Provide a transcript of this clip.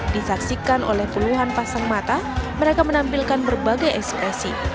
disaksikan oleh puluhan pasang mata mereka menampilkan berbagai ekspresi